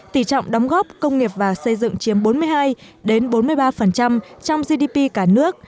tỷ trọng đóng góp công nghiệp và xây dựng chiếm bốn mươi hai bốn mươi ba trong gdp cả nước